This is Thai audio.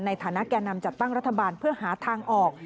ในฐานะแก่นำจัดตั้งรัฐบาลเพื่อหาทางออก